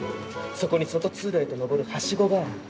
そこに外通路へと上る梯子がある。